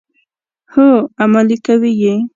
هو، عملي کوي یې.